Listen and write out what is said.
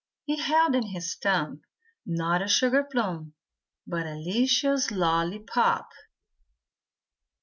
He held in his thumb, not a sugarplum. But a licious lolly pop!